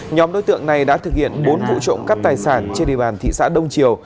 nhóm đối tượng này đã thực hiện bốn vụ trộm cắp tài sản trên địa bàn thị xã đông triều